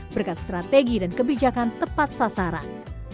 berkat strategi dan kebijakan tepat sasaran